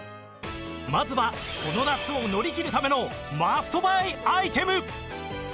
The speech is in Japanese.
まずはこの夏を乗り切るためのマストバイアイテム！